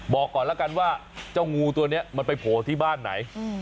บอกก่อนแล้วกันว่าเจ้างูตัวนี้มันไปโผล่ที่บ้านไหน